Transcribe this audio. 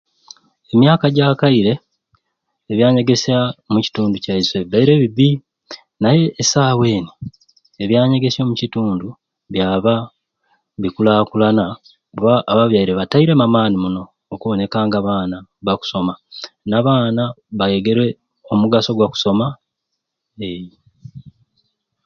Emyaka egyakaire ebyanyegesya omukitundu kyaiswe bibaire bibbi naye esaawa eni ebyanyegesya omukitundu byaba bikulaakulana kuba ababyaire batairemu amaani muno okuboneka nga abaana bakusoma. Abaana beegere omugaso gwa kusoma ee.